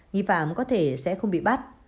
nghĩ phạm có thể sẽ không bị bắt